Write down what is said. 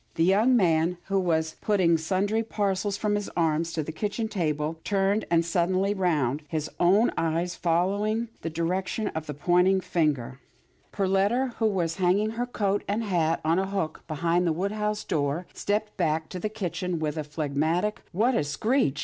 " The young man, who was putting sundry par cels from his arms to the kitchen table, turned sud denly round, his own eyes following the direction of the pointing finger. 105 106 'TILDA JANE'S ORPHANS Perletta, who was hanging her coat and hat on a hook behind the woodhouse door, stepped back to the kitchen with a phlegmatic, What a screech